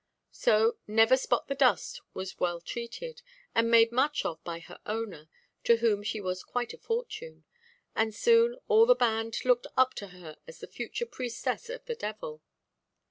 So "Never–spot–the–dust" was well treated, and made much of by her owner, to whom she was quite a fortune; and soon all the band looked up to her as the future priestess of the devil.